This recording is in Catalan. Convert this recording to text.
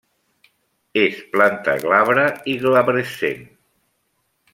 És planta glabra i glabrescent.